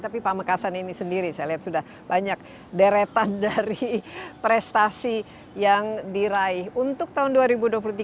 tapi pamekasan ini sendiri saya lihat sudah banyak deretan dari prestasi yang diraih untuk tahun dua ribu dua puluh tiga